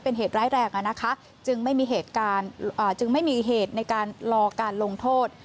เป็นเหตุร้ายแรกจึงไม่มีเหตุในการรอการลงโทษ